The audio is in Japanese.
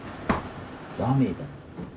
ダメだ。